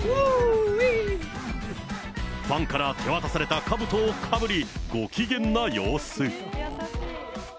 ファンから手渡されたかぶとをかぶり、ご機嫌な様子。